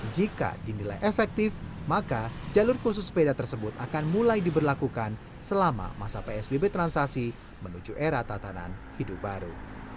jika dinilai efektif maka jalur khusus sepeda tersebut akan mulai diberlakukan selama masa psbb transisi menuju era tatanan hidup baru